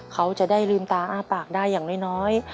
เขาจะได้ลืมตาอ้าปากได้อย่างน้อย